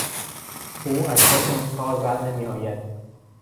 او از پس این کار برنمیآید.